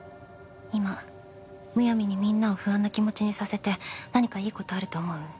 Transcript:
今むやみにみんなを不安な気持ちにさせて何かいいことあると思う？